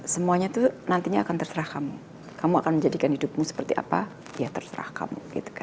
semuanya itu nantinya akan terserah kamu kamu akan menjadikan hidupmu seperti apa ya terserah kamu